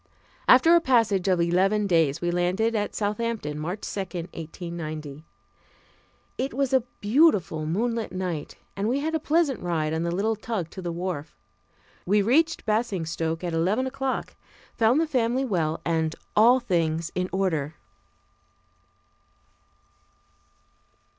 After a passage of eleven days we landed at Southampton, March 2, 1890. It was a beautiful moonlight night and we had a pleasant ride on the little tug to the wharf. We reached Basingstoke at eleven o'clock, found the family well and all things in order.